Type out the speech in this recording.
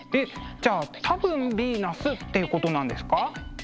じゃあ多分ヴィーナスっていうことなんですか？